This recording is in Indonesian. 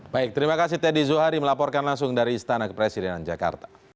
baik terima kasih teddy zuhari melaporkan langsung dari istana kepresidenan jakarta